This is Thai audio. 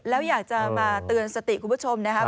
แล้วอยากจะมาเตือนสติคุณผู้ชมนะครับ